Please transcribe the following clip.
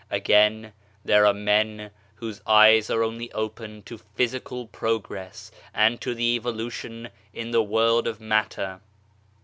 Again, there are men whose eyes are only open to physical progress and to the evolu tion in the world of matter.